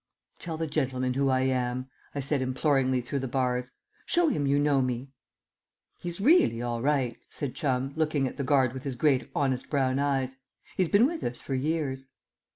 "Tell the gentleman who I am," I said imploringly through the bars. "Show him you know me." "He's really all right," said Chum, looking at the guard with his great honest brown eyes. "He's been with us for years."